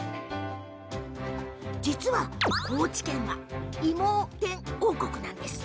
実は高知県いも天王国なんです。